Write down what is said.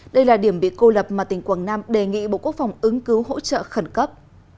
đây là điểm bị cô lập mà tỉnh quảng nam đề nghị bộ quốc phòng ứng cứu hỗ trợ khẩn cấp